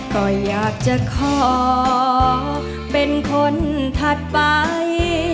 ก็อยากจะขอเป็นคนถัดไป